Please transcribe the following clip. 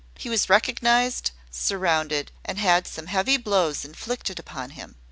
He was recognised, surrounded, and had some heavy blows inflicted upon him.